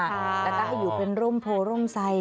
และก็อยู่เป็นร่มโพร่มใส